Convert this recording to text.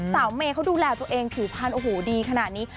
เมย์เขาดูแลตัวเองผิวพันธุโอ้โหดีขนาดนี้